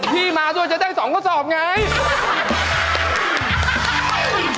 พี่มาโชว์แช่ได้๒กระสอบไง